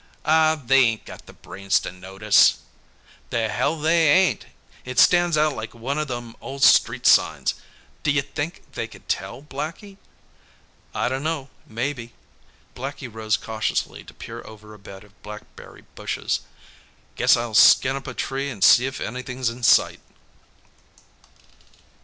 "Aw, they ain't got the brains to notice." "The hell they ain't! It stands out like one o' them old street signs. D'ya think they can tell, Blackie?" "I dunno. Maybe." Blackie rose cautiously to peer over a bed of blackberry bushes. "Guess I'll skin up a tree an' see if anything's in sight."